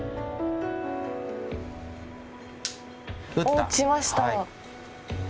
おっ打ちました。